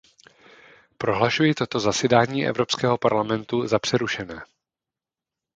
Prohlašuji toto zasedání Evropského parlamentu za přerušené.